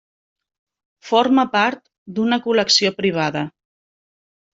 Forma part d'una col·lecció privada.